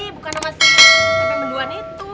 bukan sama si smp menduan itu